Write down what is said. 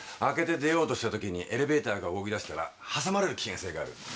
開けて出ようとしたときにエレベーターが動きだしたら挟まれる危険性がある。